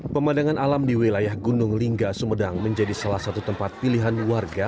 pemandangan alam di wilayah gunung lingga sumedang menjadi salah satu tempat pilihan warga